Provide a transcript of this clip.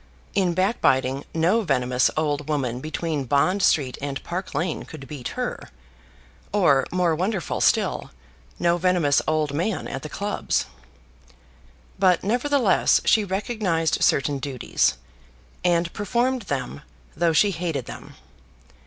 In back biting, no venomous old woman between Bond Street and Park Lane could beat her, or, more wonderful still, no venomous old man at the clubs. But nevertheless she recognised certain duties, and performed them, though she hated them.